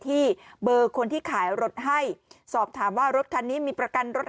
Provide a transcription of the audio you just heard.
ที่เบอร์คนที่ขายรถให้สอบถามว่ารถคันนี้มีประกันรถ